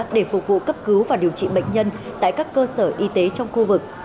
để phục vụ cấp cứu và điều trị bệnh nhân tại các cơ sở y tế trong khu vực